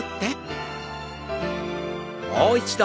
もう一度。